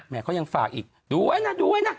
แม่เขายังฝากอีกดูไว้นะ